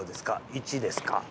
１ですか？